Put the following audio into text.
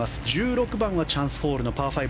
１６番がチャンスホールのパー５。